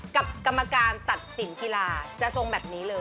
กรรมการตัดสินกีฬาจะทรงแบบนี้เลย